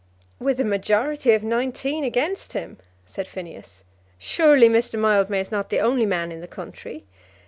"With a majority of nineteen against him!" said Phineas. "Surely Mr. Mildmay is not the only man in the country.